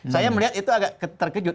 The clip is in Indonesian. saya melihat itu agak terkejut